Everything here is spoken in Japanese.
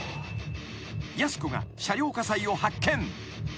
［やす子が車両火災を発見］